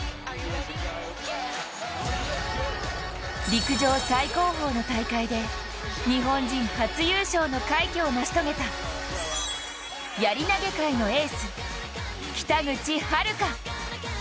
陸上最高峰の戦いで日本人初優勝の快挙を成し遂げたやり投げ界のエース北口榛花。